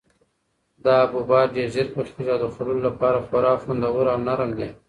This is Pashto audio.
دا حبوبات ډېر ژر پخیږي او د خوړلو لپاره خورا خوندور او نرم دي.